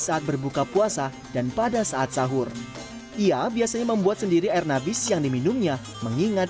saat berbuka puasa dan pada saat sahur ia biasanya membuat sendiri air nabis yang diminumnya mengingat